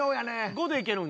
５でいけるん？